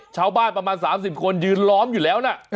ชาวบ้านประมาณสามสิบคนยืนล้อมอยู่แล้วน่ะเออ